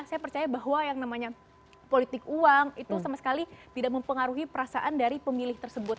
saya percaya bahwa yang namanya politik uang itu sama sekali tidak mempengaruhi perasaan dari pemilih tersebut